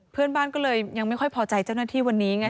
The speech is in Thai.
เพื่อนบ้านก็เลยยังไม่ค่อยพอใจเจ้าหน้าที่วันนี้ไง